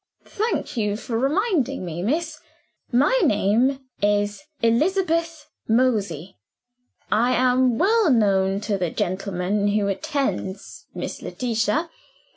"Thank you for reminding me, miss. My name is Elizabeth Mosey. I am well known to the gentleman who attends Miss Letitia.